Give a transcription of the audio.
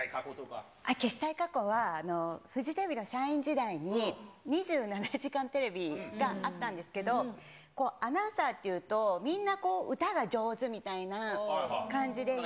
消したい過去はフジテレビの社員時代に、２７時間テレビがあったんですけど、アナウンサーというとみんな歌が上手みたいな感じで。